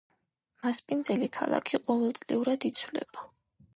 მასპინძელი ქალაქი ყოველწლიურად იცვლება.